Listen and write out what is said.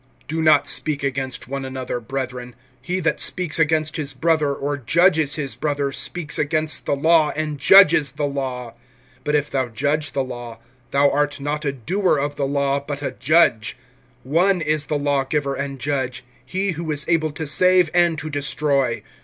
(11)Do not speak against one another, brethren. He that speaks against his brother, or judges his brother, speaks against the law, and judges the law. But if thou judge the law, thou art not a doer of the law, but a judge. (12)One is the lawgiver and judge, he who is able to save and to destroy.